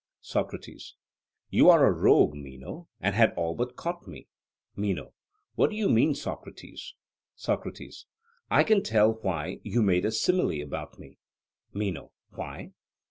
SOCRATES: You are a rogue, Meno, and had all but caught me. MENO: What do you mean, Socrates? SOCRATES: I can tell why you made a simile about me. MENO: Why?